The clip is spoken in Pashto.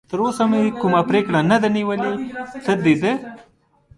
تراوسه مې کوم پرېکړه نه ده نیولې، ته د ده.